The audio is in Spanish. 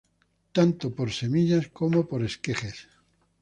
Tanto por semillas como por esquejes.